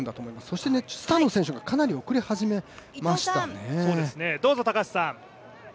そしてスタノ選手がかなり遅れ始めましたね。